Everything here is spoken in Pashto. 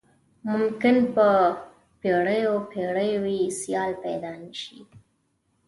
ممکن په پیړیو پیړیو یې سیال پيدا نه شي.